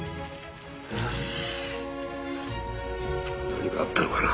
何かあったのかな。